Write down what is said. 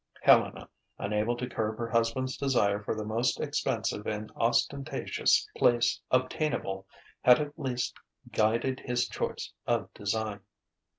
Helena, unable to curb her husband's desire for the most expensive and ostentatious place obtainable, had at least guided his choice of design.